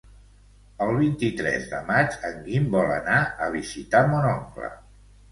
El vint-i-tres de maig en Guim vol anar a visitar mon oncle.